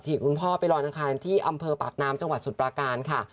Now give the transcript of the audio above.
ก็ได้มีการอับถีคุณพ่อไปลอยอังคารที่อำเภอปากน้ำจังหวัดสุดประการค่ะ